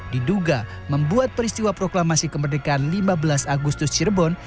diduga membuat peristiwa proklamasi kemerdekaan lima belas agustus cirebon